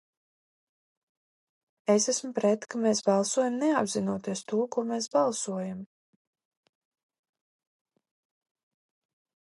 Es esmu pret, ka mēs balsojam, neapzinoties to, ko mēs balsojam.